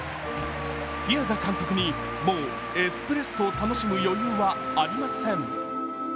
ピアザ監督にもうエスプレッソを楽しむ余裕はありません。